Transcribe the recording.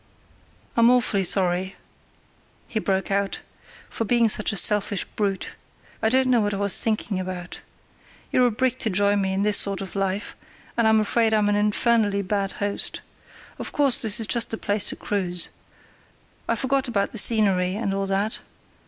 "I'm awfully sorry," he broke out, "for being such a selfish brute. I don't know what I was thinking about. You're a brick to join me in this sort of life, and I'm afraid I'm an infernally bad host. Of course this is just the place to cruise. I forgot about the scenery, and all that.